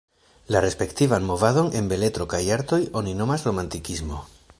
La respektivan movadon en beletro kaj artoj oni nomas romantikismo.